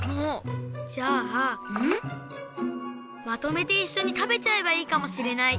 じゃあまとめていっしょに食べちゃえばいいかもしれない。